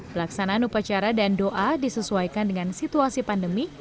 pelaksanaan upacara dan doa disesuaikan dengan situasi pandemi